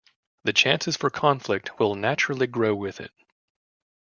The chances for conflict will naturally grow with it.